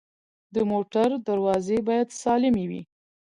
د موټر دروازې باید سالمې وي.